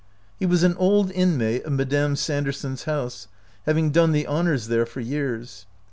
He was an old inmate of Madame Sander son's house, having done the honors there for years.